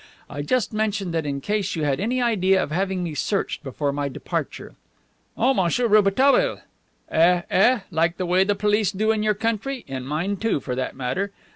I just mention that in case you had any idea of having me searched before my departure." "Oh, Monsieur Rouletabille!" "Eh, eh, like the way the police do in your country; in mine too, for that matter.